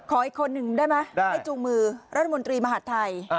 ขออีกคนนึงได้มั้ยได้จูงมือรัฐมนตรีมหัสไทย